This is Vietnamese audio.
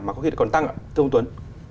mà có khi còn tăng ạ thưa ông tuấn